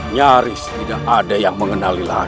nyaris tidak ada yang mengenali lagi